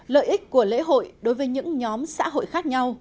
lợi ích của lễ hội đối với những nhóm xã hội khác nhau